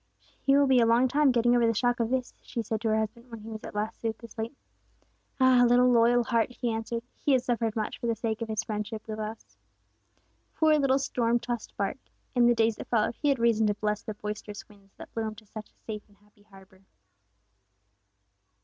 "He will be a long time getting over the shock of this," she said to her husband, when he was at last soothed to sleep. "Ah, loyal little heart!" he answered, "he has suffered much for the sake of his friendship with us!" Poor little storm tossed bark! In the days that followed he had reason to bless the boisterous winds, that blew him to such a safe and happy harbor!